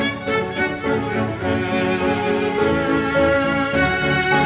enggak akan berbicara nanti